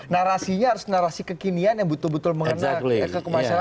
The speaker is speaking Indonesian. narasinya harus narasi kekinian yang betul betul mengenai kekemasanan